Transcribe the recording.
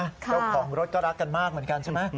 เจ้าของรถก็รักกันมากเหมือนกันใช่ไหม